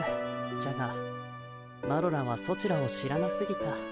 じゃがマロらはソチらを知らなすぎた。